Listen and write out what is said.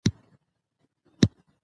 سیاسي مشارکت باور زیاتوي